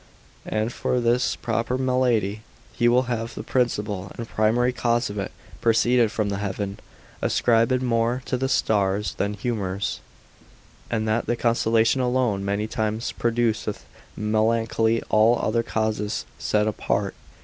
And for this proper malady, he will have the principal and primary cause of it proceed from the heaven, ascribing more to stars than humours, and that the constellation alone many times produceth melancholy, all other causes set apart.